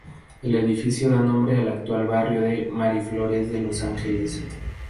El edificio da nombre al actual barrio de Miraflores de los Ángeles.